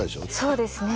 そうですね